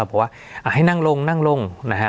เพราะว่าให้นั่งลงนั่งลงนะฮะ